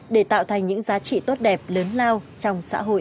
để tạo thành những giá trị tốt đẹp lớn lao trong xã hội